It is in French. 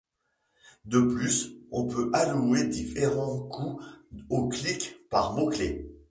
De plus, on peut allouer différents coûts au clic par mot-clé.